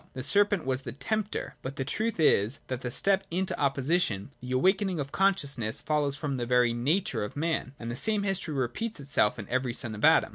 The serpent was the tempter. But the truth is, that the step into opposition, the awakening of consciousness, follows from the very nature of man : and the same history repeats itself in every son of Adam.